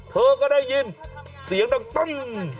เธอก็ได้ยินเสียงดังปั้ง